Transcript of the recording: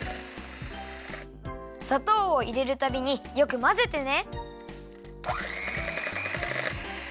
さとうをいれるたびによくまぜてね。